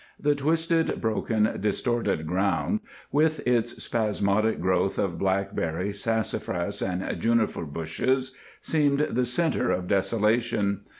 The twisted, broken, distorted ground, with its spasmodic growth of blackberry, sassafras, and juniper bushes, seemed the center of desolation.